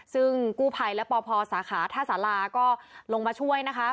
ซึ่งกู้ภัยและปพสาขาท่าสาราก็ลงมาช่วยนะคะ